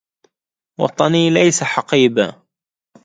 وطني ليس حقيبهْ